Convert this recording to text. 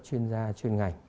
chuyên gia chuyên ngành